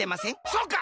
そうか！